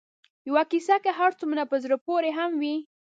یوه کیسه که هر څومره په زړه پورې هم وي